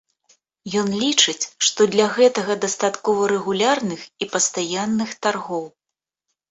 Ён лічыць, што для гэтага дастаткова рэгулярных і пастаянных таргоў.